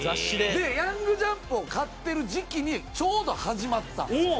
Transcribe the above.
で『ヤングジャンプ』を買ってる時期にちょうど始まったんですよ。